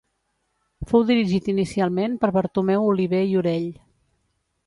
Fou dirigit inicialment per Bartomeu Oliver i Orell.